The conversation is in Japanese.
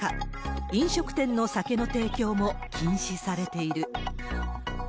飲食店の酒の提供も禁止されている。